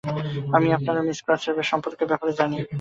আমি আপনার এবং মিস ক্রসের সম্পর্কের ব্যাপারে জানি।